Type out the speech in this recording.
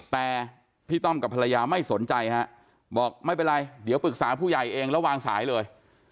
แต่พี่ต้อมกับภรรยาไม่สนใจฮะบอกไม่เป็นไรเดี๋ยวปรึกษาผู้ใหญ่เองแล้ววางสายเลย